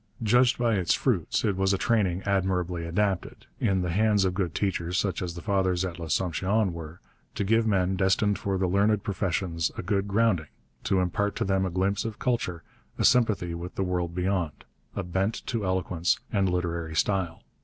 Judged by its fruits, it was a training admirably adapted, in the hands of good teachers such as the fathers at L'Assomption were, to give men destined for the learned professions a good grounding, to impart to them a glimpse of culture, a sympathy with the world beyond, a bent to eloquence and literary style.